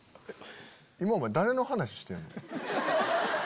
今お前誰の話してんの？